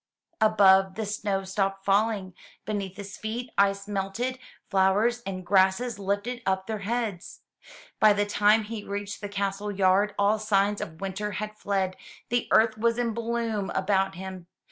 Above, the snow stopped falling; beneath his feet, ice melted, flowers and grasses Ufted up their heads. By the time he reached the castle yard, all signs of winter had fled, the earth was in bloom about him.